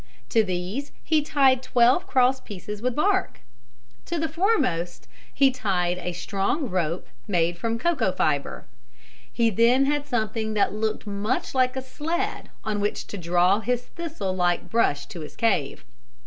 To these he tied twelve cross pieces with bark. To the foremost he tied a strong rope made from cocoa fiber. He then had something that looked much like a sled on which to draw his thistle like brush to his cave.